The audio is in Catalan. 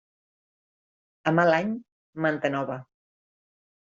A mal any, manta nova.